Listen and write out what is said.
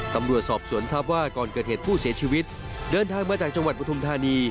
ตำรวจสอบสวนทราบว่าก่อนเกิดเหตุผู้เสียชีวิตเดินทางมาจากจังหวัดปฐุมธานี